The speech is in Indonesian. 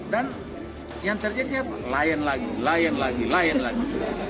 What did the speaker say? dan yang terjadi siapa lion lagi lion lagi lion lagi